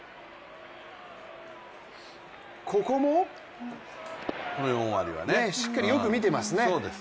ここもしっかりよく見てますね。